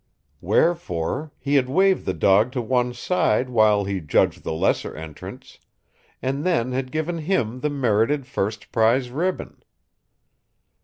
Wherefore, he had waved the dog to one side while he judged the lesser entrants, and then had given him the merited first prize ribbon.